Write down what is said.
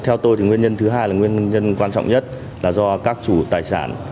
theo tôi nguyên nhân thứ hai là nguyên nhân quan trọng nhất là do các chủ tài sản